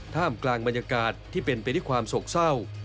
ท่ามกลางบรรยากาศที่เป็นไปด้วยความโศกเศร้า